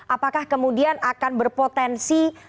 apakah kemudian akan berpotensi